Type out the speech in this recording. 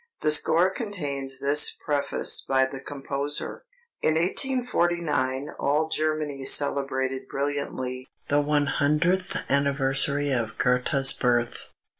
The score contains this preface by the composer: "In 1849 all Germany celebrated brilliantly the one hundredth anniversary of Goethe's birth.